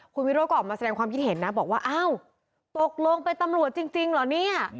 คุณวิโรธก็ออกมาแสดงความคิดเห็นนะบอกว่าอ้าวตกลงเป็นตำรวจจริงเหรอเนี่ย